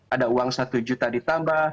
ada uang rp satu ditambah